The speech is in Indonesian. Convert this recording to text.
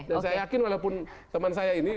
saya yakin walaupun teman saya ini